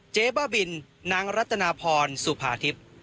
เจ๊บ้าบินนางรัตนาพรสุภาทิพย์